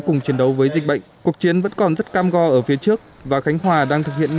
cùng chiến đấu với dịch bệnh cuộc chiến vẫn còn rất cam go ở phía trước và khánh hòa đang thực hiện